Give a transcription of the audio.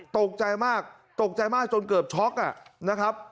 ตกใจมากตกใจมากจนเกือบช็อกนะครับ